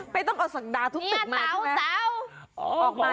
ไม่ต้องออกสังดาทุบเกะมา